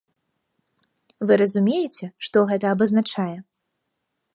Вы разумееце, што гэта абазначае?